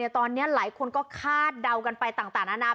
ตอนนี้หลายคนก็คาดเดากันไปต่างนานา